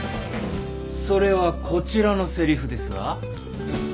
それはこちらのせりふですが？